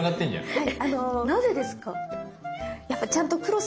はい。